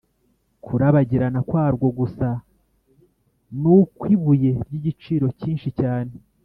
Kurabagirana kwarwo gusa n’ukw’ibuye ry’igiciro cyinshi cyane